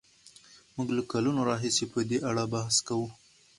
موږ له کلونو راهیسې په دې اړه بحث کوو.